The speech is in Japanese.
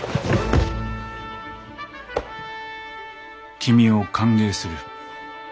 君を歓迎する。